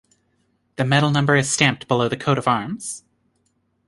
The medal number is stamped below the Coat of Arms.